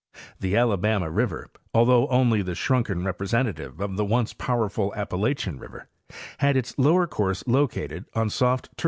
The Alabama river, although only the shrunken representative of the once powerful Appalachian river, had its lower course located on sqft Tertiary 17—Nar.